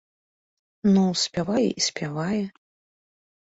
Ну, спявае і спявае.